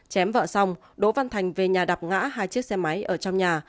chém vợ xong đỗ văn thành về nhà đạp ngã hai chiếc xe máy ở trong nhà